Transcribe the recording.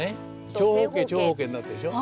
長方形長方形になってるでしょ。